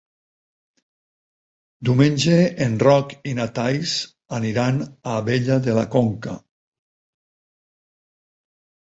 Diumenge en Roc i na Thaís aniran a Abella de la Conca.